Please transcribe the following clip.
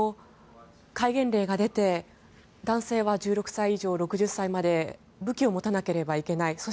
戒厳令が出て、男性は１６歳以上６０歳まで武器を持たなければいけない。